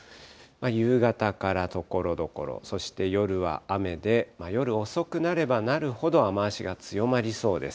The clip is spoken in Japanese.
夕方からところどころ、そして夜は雨で、夜遅くなればなるほど雨足が強まりそうです。